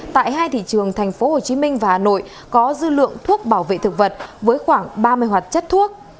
tại hai thị trường thành phố hồ chí minh và hà nội có dư lượng thuốc bảo vệ thực vật với khoảng ba mươi hoạt chất thuốc